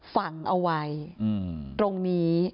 ฝังเอาไว้ตรงนี้